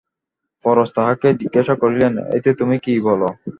পরেশ তাহাকে জিজ্ঞাসা করিলেন, এতে তুমি কী বল?